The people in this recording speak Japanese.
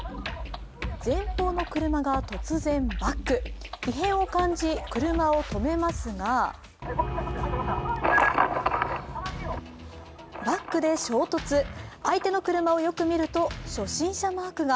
前方の車が突然バック、異変を感じ車を止めますがバックで衝突、相手の車をよく見ると初心者マークが。